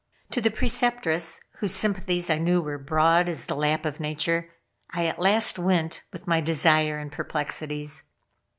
To the Preceptress, whose sympathies I knew were broad as the lap of nature, I at last went with my desire and perplexities.